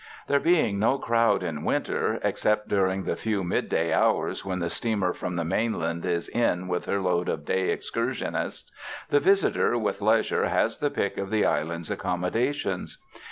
There being no crowd in winter, except during the few midday hours when the steamer from the mainland is in with her load of day excursionists, the visitor with leisure has the pick of the island's accommodations.